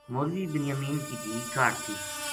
مولوی بنیامین کی دھی کاہڈ تھی